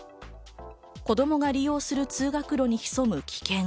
子供が利用する通学路に潜む危険。